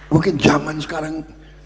mungkin zaman sekarang